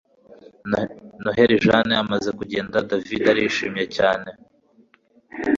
Noneho Jane amaze kugenda David arishimye cyane